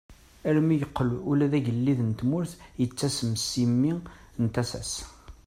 Armi yeqqel ula d agellid n tmurt yettasem si mmi n tasa-s.